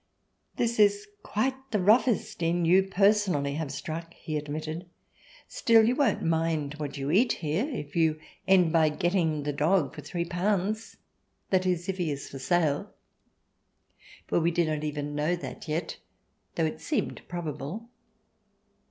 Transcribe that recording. " This is quite the roughest inn you, personally, have struck," he admitted. "Still, you won't mind what you eat here, if you end by getting the dog for three pounds ; that is, if he is for sale." For we did not even know that yet, though it seemed probable.